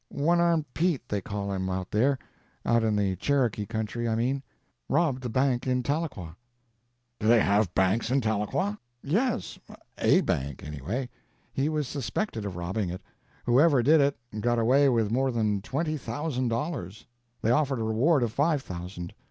"One armed Pete they call him out there—out in the Cherokee country I mean. Robbed the bank in Tahlequah." "Do they have banks in Tahlequah?" "Yes—a bank, anyway. He was suspected of robbing it. Whoever did it got away with more than twenty thousand dollars. They offered a reward of five thousand.